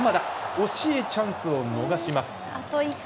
惜しいチャンスを逃します。